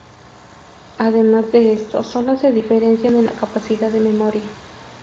Además de esto, sólo se diferencian en la capacidad de memoria.